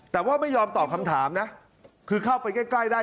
แต่ว่าไม่ยอมตอบคำถามนะคือเข้าไปใกล้ได้